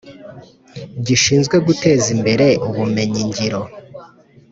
gishinzwe Guteza Imbere Ubumenyingiro